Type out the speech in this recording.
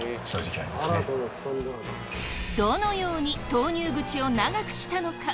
どのように投入口を長くしたのか？